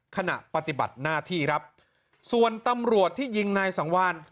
ขณะปฏิบัติหน้าที่ครับส่วนตำรวจที่ยิงนายสังวาน